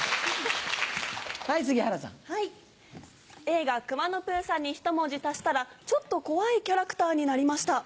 映画『くまのプーさん』にひと文字足したらちょっと怖いキャラクターになりました。